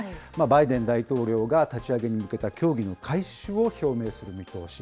バイデン大統領が立ち上げに向けた協議の開始を表明する見通し。